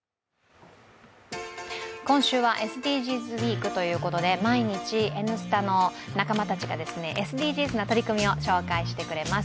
今週はＳＤＧｓウィークということで毎日、「Ｎスタ」の仲間たちがＳＤＧｓな取り組みを紹介してくれます。